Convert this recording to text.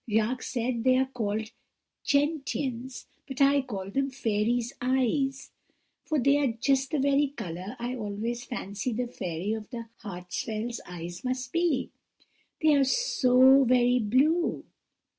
Jacques said they are called gentians; but I call them fairies' eyes, for they are just the very colour I always fancy the fairy of the Hartsfell's eyes must be they are so very blue.'